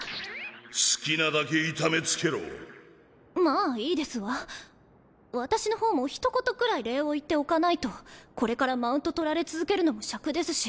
好きなだけ痛めつけろまぁいいですわ私の方も一言くらい礼を言っておかないとこれからマウント取られ続けるのもシャクですし。